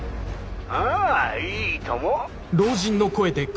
☎ああいいとも！